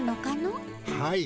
はい。